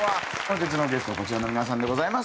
本日のゲストこちらの皆さんでございます。